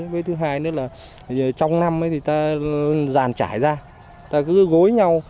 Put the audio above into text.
với thứ hai nữa là trong năm thì ta giàn trải ra ta cứ gối nhau